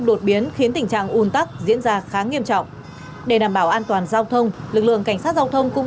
đặc biệt những hình ảnh như thế này cũng đã được lực lượng cảnh sát giao thông